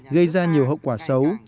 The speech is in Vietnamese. gây ra nhiều hậu quả xấu